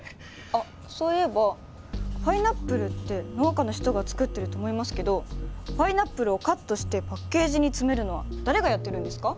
あっそういえばパイナップルって農家の人が作ってると思いますけどパイナップルをカットしてパッケージに詰めるのは誰がやってるんですか？